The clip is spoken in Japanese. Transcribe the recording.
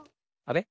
あれ？